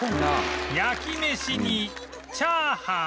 焼飯にチャーハン